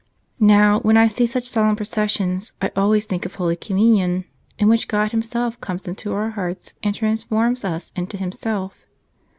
'' Now, when I see such solemn processions I always think of Holy Communion, in which God Himself comes into our hearts and transforms us into Himself.